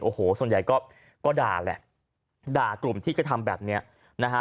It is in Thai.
โอ้โหส่วนใหญ่ก็ก็ด่าแหละด่ากลุ่มที่กระทำแบบเนี้ยนะฮะ